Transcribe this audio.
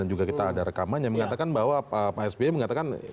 dan juga kita ada rekamannya mengatakan bahwa pak sby mengatakan